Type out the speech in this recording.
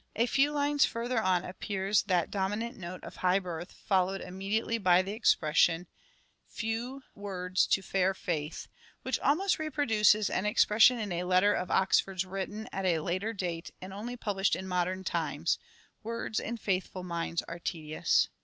A few lines further on appears that dominant note of high birth, followed immediately by the expression : 316 " SHAKESPEARE " IDENTIFIED " Few words to fair faith," which almost reproduces an expression in a letter of Oxford's written at a later date and only published in modern times :" Words in faithful minds are tedious."